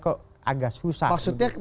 kok agak susah maksudnya